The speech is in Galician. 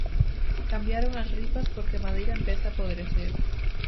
Cambiaron as ripas porque a madeira empeza a podrecer.